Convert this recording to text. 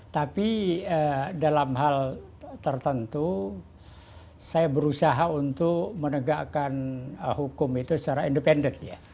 tapi dalam hal tertentu saya berusaha untuk menegakkan hukum itu secara independen